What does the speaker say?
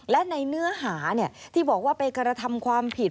และในเนื้อหาที่บอกว่าไปกระทำความผิด